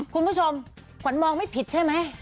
คุณผู้ชมขวัญมองไม่ผิดใช่ไหม